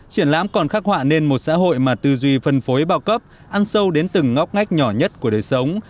triển lãm còn khắc họa nên một xã hội mà tư duy phân phối bao cấp ăn sâu đến từng ngóc ngách nhỏ nhất của đời sống